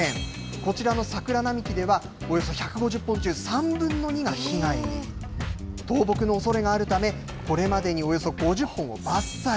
こちらの桜並木では、およそ１５０本中、３分の２が被害に。倒木のおそれがあるため、これまでにおよそ５０本を伐採。